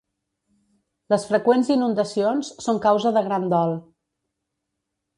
Les freqüents inundacions són causa de gran dol.